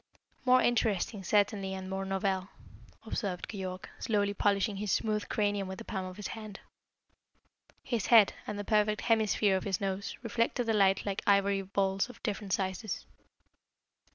"More interesting, certainly, and more novel," observed Keyork, slowly polishing his smooth cranium with the palm of his hand. His head, and the perfect hemisphere of his nose, reflected the light like ivory balls of different sizes.